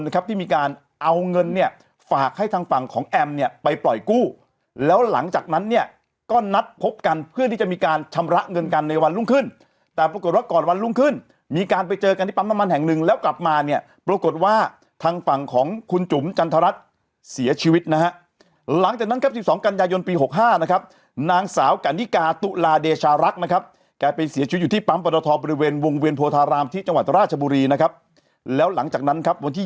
กการเอาเงินเนี้ยฝากให้ทางฝั่งของแอมเนี้ยไปปล่อยกู้แล้วหลังจากนั้นเนี้ยก็นัดพบกันเพื่อที่จะมีการชำระเงินกันในวันรุ่งขึ้นแต่ปรากฏว่าก่อนวันรุ่งขึ้นมีการไปเจอกันที่ปั๊มน้ำมันแห่งหนึ่งแล้วกลับมาเนี้ยปรากฏว่าทางฝั่งของคุณจุ๋มจันทรัศน์เสียชีวิตนะฮะหลังจากนั้น